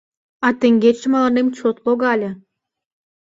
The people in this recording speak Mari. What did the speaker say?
«А теҥгече мыланем чот логале.